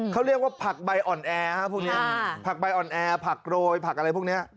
เขาเรียกว่าผักใบอ่อนแอพวกนี้ผักใบอ่อนแอร์ผักโรยผักอะไรพวกนี้